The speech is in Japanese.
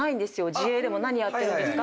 自営でも何やってるんですか。